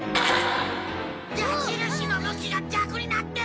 矢印の向きが逆になってる！